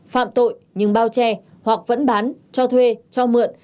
phạm tội nhưng bao che hoặc vẫn bán cho thuê cho mượn